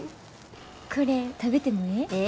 これ食べてもええ？